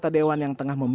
adiknya pak camim